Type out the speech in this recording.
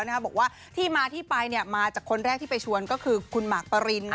ถึงที่มาที่ไปมามาจากคนแรกที่ไปชวนคุณหมักปะริน